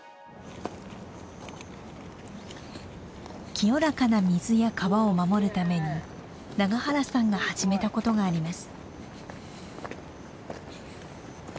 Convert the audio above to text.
清らかな水や川を守るために永原さんが始めたことがあります。